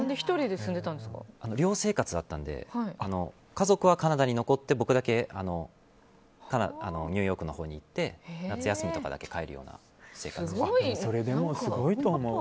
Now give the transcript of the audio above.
寮生活だったので家族はカナダに残って僕だけニューヨークに行って夏休みとかだけ帰るようなすごいと思う。